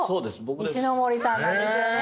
石森さんなんですよね。へ！